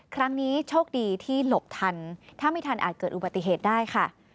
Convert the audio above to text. ครั้งนี้โชคดีที่หลบทันถ้าไม่ทันอาจเกิดอุบัติเหตุได้ค่ะ